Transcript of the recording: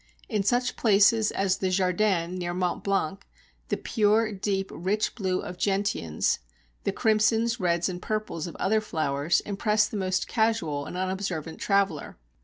In such places as the "Jardin" near Mont Blanc, the pure, deep, rich blue of gentians, the crimsons, reds, and purples of other flowers, impress the most casual and unobservant traveller.